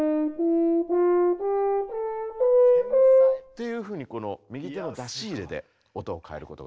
繊細。っていうふうにこの右手の出し入れで音を変えることが。